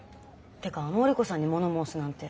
てかあの織子さんに物申すなんて。